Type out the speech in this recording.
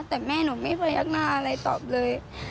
แต่แม่หนูไม่พยักหน้าอะไรตอบเลย